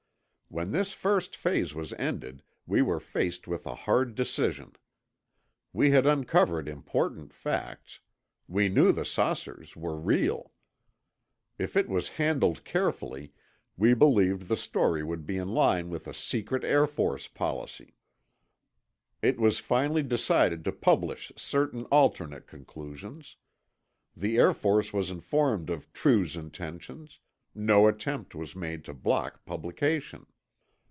When this first phase was ended, we were faced with a hard decision. We had uncovered important facts, We knew the saucers were real. If it was handled carefully, we believed the story would be in line with a secret Air Force policy. It was finally decided to publish certain alternate conclusions. The Air Force was informed of True's intentions; no attempt was made to block publication.